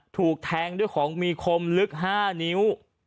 ถูกแทงด้วยของมีคมลึก๕นิ้ว